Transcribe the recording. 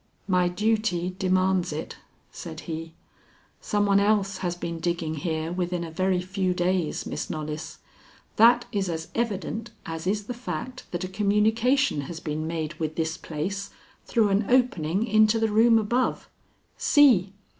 "My duty demands it," said he. "Some one else has been digging here within a very few days, Miss Knollys. That is as evident as is the fact that a communication has been made with this place through an opening into the room above. See!"